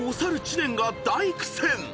知念が大苦戦］